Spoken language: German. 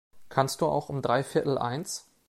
Kannst du auch um dreiviertel eins?